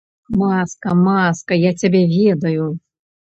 Маска, маска, я цябе ведаю.